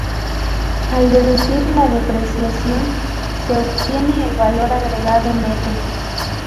Al deducir la depreciación se obtiene el valor agregado neto.